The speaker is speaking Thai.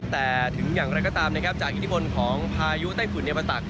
แต่ถึงอย่างไรก็ตามนะครับจากอิทธิพลของพายุไต้ฝุ่นมาตัก